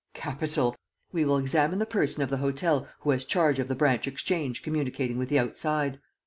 "Capital! We will examine the person of the hotel who has charge of the branch exchange communicating with the outside.